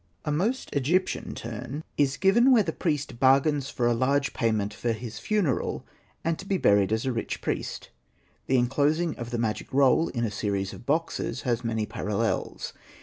A most Egyptian turn is given where the Hosted by Google REMARKS 1^9 priest bargains for a large payment for his funeral, and to be buried as a rich priest. The enclosing of the magic roll in a series of boxes has many parallels.